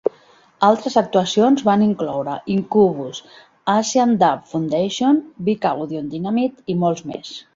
Altres actuacions van incloure: Incubus, Asian Dub Foundation, Big Audio Dynamite i moltes més.